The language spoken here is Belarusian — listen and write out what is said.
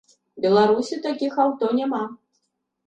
Беларусі такіх аўто няма.